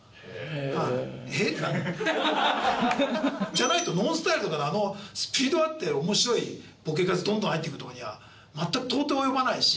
じゃないとＮＯＮＳＴＹＬＥとかのあのスピードあって面白いボケ数どんどん入ってくるとこには全く到底及ばないし。